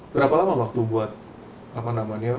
berapa lama waktu buat apa namanya